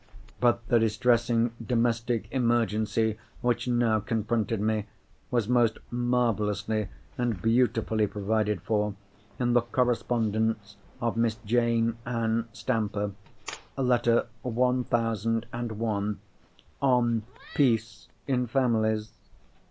But the distressing domestic emergency which now confronted me, was most marvellously and beautifully provided for in the Correspondence of Miss Jane Ann Stamper—Letter one thousand and one, on "Peace in Families."